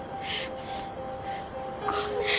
ごめん。